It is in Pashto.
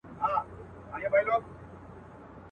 « اتفاق په پښتانه کي پیدا نه سو ».